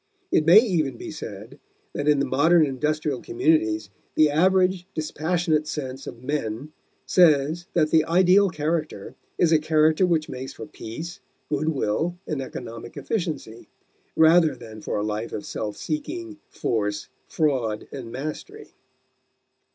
It may even be said that in the modern industrial communities the average, dispassionate sense of men says that the ideal character is a character which makes for peace, good will, and economic efficiency, rather than for a life of self seeking, force, fraud, and mastery.